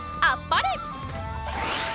あっぱれ！